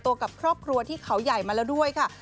่านางเอกคนสวยไปเปิดตัวกับครอบครัวที่เขาใหญ่มาแล้วนะฮะ